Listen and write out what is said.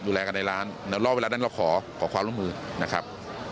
ดูแลกันในร้านแล้วรอบเวลานั้นเราขอความร่วมมือนะครับ